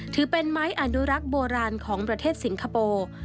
ถือเป็นไม้อนุรักษ์โบราณของประเทศสิงคโปร์